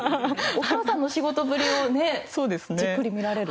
お母さんの仕事ぶりをねじっくり見られる。